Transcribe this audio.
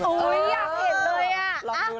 เฮ้ยอยากเห็นเลยอะ